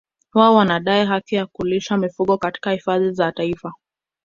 Wao wanadai haki ya kulisha mifugo katika hifadhi za Taifa